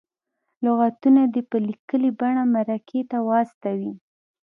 لغتونه دې په لیکلې بڼه مرکې ته راواستوي.